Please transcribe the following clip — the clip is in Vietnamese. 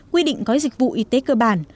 quy định có dịch vụ y tế cơ bản